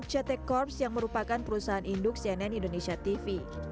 jt corp yang merupakan perusahaan induk cnn indonesia tv